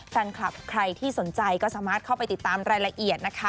แฟนคลับใครที่สนใจก็สามารถเข้าไปติดตามรายละเอียดนะคะ